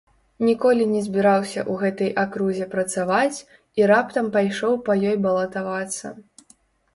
Ніколі не збіраўся ў гэтай акрузе працаваць і раптам пайшоў па ёй балатавацца.